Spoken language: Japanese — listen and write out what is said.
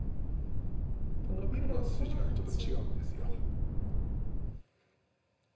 ノビるのは筋がちょっと違うんです。